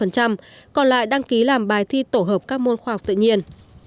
còn lại đăng ký làm bài thi tổ hợp các môn khoa học tự nhiên